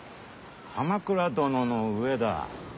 鎌倉殿の上だ。